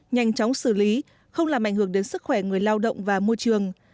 nhanh chóng xử lý không làm ảnh hưởng đến sức khỏe người lao động và môi trường